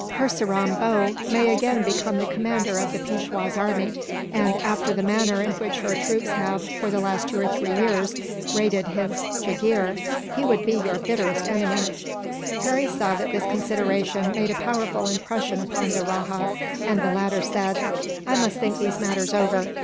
Purseram Bhow may again become the commander of the Peishwa's army and, after the manner in which your troops have, for the last two or three years, raided his jagheer, he would be your bitterest enemy." Harry saw that this consideration made a powerful impression upon the rajah, and the latter said: "I must think these matters over.